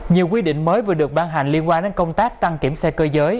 nhiều quy định mới vừa được ban hành liên quan đến công tác đăng kiểm xe cơ giới